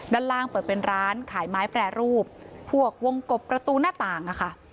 ด้านล่างเปิดเป็นร้านขายไม้แปรรูปพวกวงกบประตูหน้าต่างค่ะ